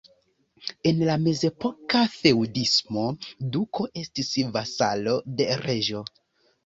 En la mezepoka feŭdismo, duko estis vasalo de reĝo.